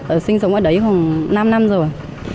ở sinh sống ở đấy khoảng năm năm rồi